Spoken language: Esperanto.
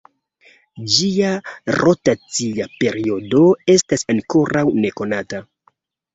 Ĝia rotacia periodo estas ankoraŭ nekonata.